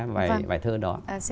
vài bài thơ đó